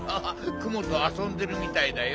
クモとあそんでるみたいだよ。